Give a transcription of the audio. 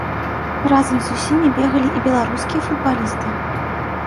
Разам з усімі бегалі і беларускія футбалісты.